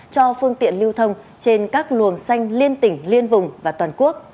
cho phương tiện lưu thông trên các luồng xanh liên tỉnh liên vùng và toàn quốc